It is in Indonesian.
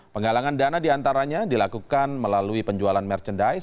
penggalangan dana diantaranya dilakukan melalui penjualan merchandise